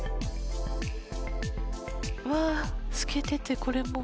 うわあ透けててこれも。